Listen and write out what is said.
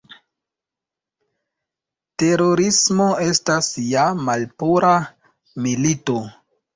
Terorismo estas ja malpura "milito".